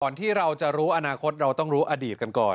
ที่เราจะรู้อนาคตเราต้องรู้อดีตกันก่อน